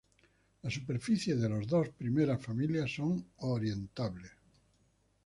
La superficies de las dos primeras familias son orientables.